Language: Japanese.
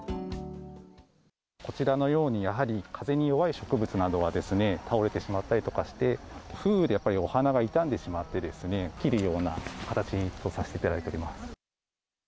こちらのようにやはり、風に弱い植物などは、倒れてしまったりとかして、風雨でやっぱりお花が傷んでしまって切るような形とさせていただいております。